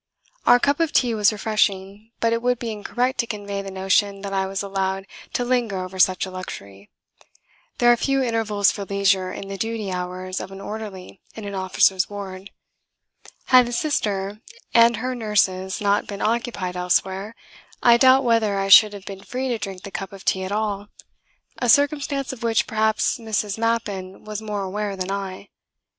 Our cup of tea was refreshing, but it would be incorrect to convey the notion that I was allowed to linger over such a luxury. There are few intervals for leisure in the duty hours of an orderly in an officers' ward. Had the Sister and her nurses not been occupied elsewhere, I doubt whether I should have been free to drink that cup of tea at all a circumstance of which perhaps Mrs. Mappin was more aware than I.